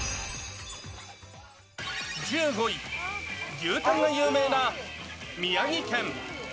１５位、牛タンが有名な宮城県。